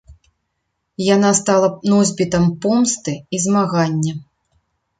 Яна стала носьбітам помсты і змагання.